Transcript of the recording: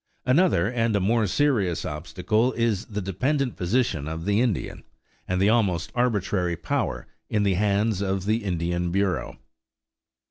Another, and a more serious obstacle, is the dependent position of the Indian, and the almost arbitrary power in the hands of the Indian Bureau.